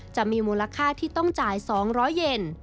จะมีมูลค่าที่ต้องจ่าย๒๐๐เย็น